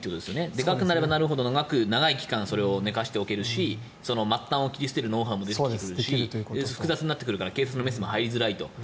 でかくなればなるほど長い期間寝かせておけるし末端を切り捨てるノウハウもできてくるし、複雑になるから警察のメスも入りづらいと。